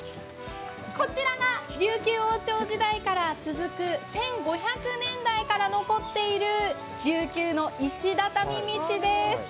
こちらが琉球王朝時代から続く１５００年代から残っている琉球の石畳道です。